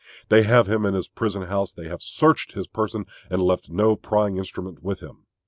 They have him in his prison house, they have searched his person and left no prying instrument with him.